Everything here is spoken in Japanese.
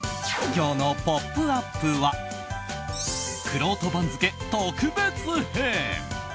今日の「ポップＵＰ！」はくろうと番付特別編。